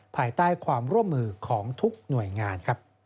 ภายใต้ความร่วมมือของทุกหน่วยงาน